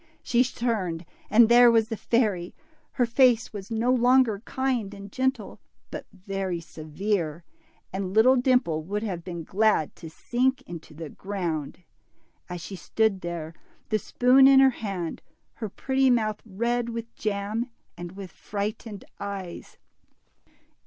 She turned, and there was the fairy ! Her face Avas no longer kind and gentle, but very severe, and little Dimple would have been^glad to sink into the ground, as she stood there, the spoon in her hand, her pretty mouth red with jam, and with frightened eyes.